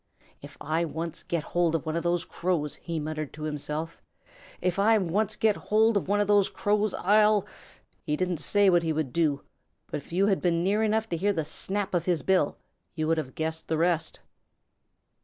"If I once get hold of one of those Crows!" he muttered to himself. "If I once get hold of one of those Crows, I'll " He didn't say what he would do, but if you had been near enough to hear the snap of his bill, you could have guessed the rest.